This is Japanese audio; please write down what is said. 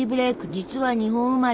実は日本生まれ！